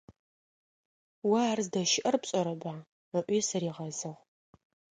«О ар здэщыӀэр пшӀэрэба?» - ыӏуи сыригъэзыгъ.